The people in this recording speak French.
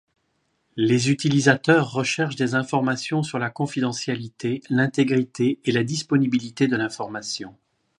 Les utilisateurs recherchent des informations sur la confidentialité, l’intégrité et la disponibilité de l’information.